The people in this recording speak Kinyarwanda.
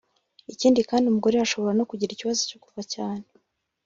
Ikindi kandi umugore ashobora no kugira ikibazo cyo kuva cyane